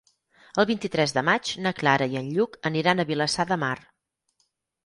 El vint-i-tres de maig na Clara i en Lluc aniran a Vilassar de Mar.